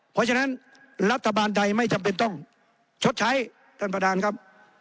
เพราะฉะนั้นรัฐบาลใดไม่จำเป็นต้องชดใช้ท่านประธานครับ